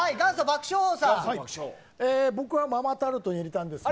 僕はママタルトに入れました。